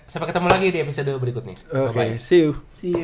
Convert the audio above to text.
sampai ketemu lagi di episode berikut nih